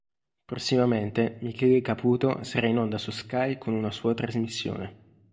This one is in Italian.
Prossimamente Michele Caputo sarà in onda su Sky con una sua trasmissione.